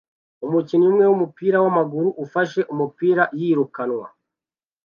Umukinnyi umwe wumupira wamaguru ufashe umupira yirukanwa